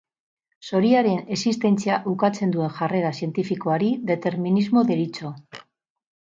Zoriaren existentzia ukatzen duen jarrera zientifikoari determinismo deritzo.